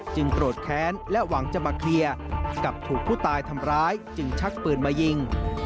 โกรธแค้นและหวังจะมาเคลียร์กับถูกผู้ตายทำร้ายจึงชักปืนมายิง